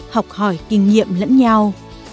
học hỏi kinh nghiệm lẫn nhau